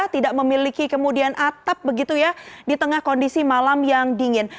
tidak memiliki kemudian atap begitu ya di tengah kondisi malam yang dingin